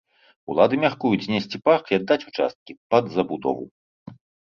Улады мяркуюць знесці парк і аддаць участкі пад забудову.